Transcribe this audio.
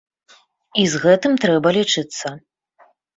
І з гэтым трэба лічыцца.